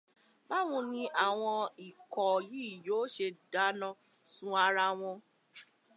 Báwo ni àwọn ikọ̀ yìí yóó ṣe dáná sun ara wọn?